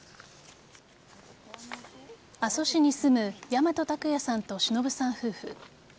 阿蘇市に住む大和卓也さんと忍さん夫婦。